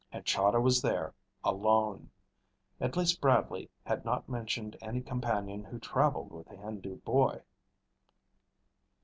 And Chahda was there, alone! At least Bradley had not mentioned any companion who traveled with the Hindu boy.